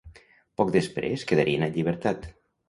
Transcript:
Poc després quedarien en llibertat.